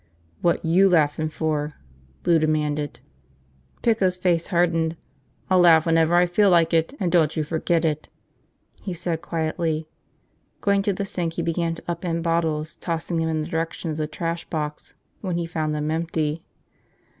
"What you laughing for?" Lou demanded. Pico's face darkened. "I'll laugh whenever I feel like it, and don't you forget it," he said quietly. Going to the sink, he began to upend bottles, tossing them in the direction of the trash box when he found them empty.